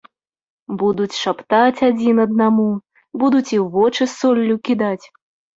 Будуць шаптаць адзін аднаму, будуць і ў вочы соллю кідаць.